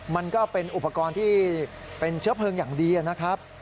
มันก็เป็นอุปกรณ์ที่เป็นเชื้อเพลิงอย่างดีนะครับ